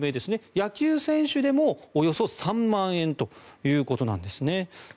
野球選手でもおよそ３万円ということです。